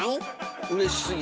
うれしすぎて。